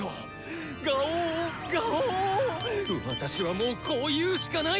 私はもうこう言うしかない！